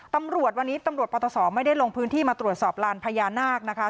ตำรวจวันนี้ตำรวจปตศไม่ได้ลงพื้นที่มาตรวจสอบลานพญานาคนะคะ